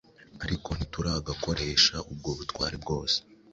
Ariko ntituragakoresha ubwo butware bwose,